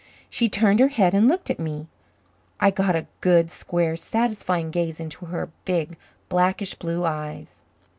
She turned her head and looked at me. I got a good, square, satisfying gaze into her big, blackish blue eyes.